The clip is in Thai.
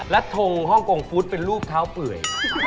และทงฮ่องกงฟู้ดเป็นรูปเท้าเปื่อย